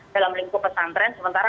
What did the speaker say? dalam lingkup pesantren sementara